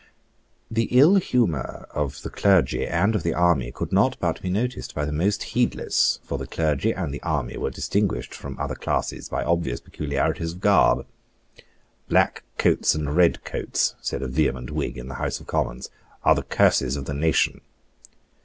The ill humour of the clergy and of the army could not but be noticed by the most heedless; for the clergy and the army were distinguished from other classes by obvious peculiarities of garb. "Black coats and red coats," said a vehement Whig in the House of Commons, "are the curses of the nation."